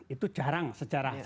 itu jarang sejarah